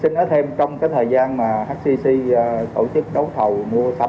xin nói thêm trong thời gian hcdc tổ chức đấu thầu mua sắm